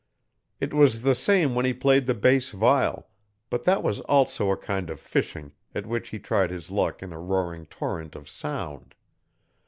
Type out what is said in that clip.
It was the same when he played the bass viol, but that was also a kind of fishing at which he tried his luck in a roaring torrent of sound.